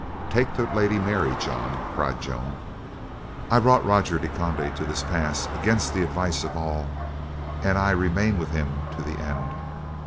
"Take the Lady Mary, John," cried Joan, "I brought Roger de Conde to this pass against the advice of all and I remain with him to the end."